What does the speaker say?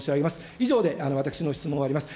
以上で私の質問を終わります。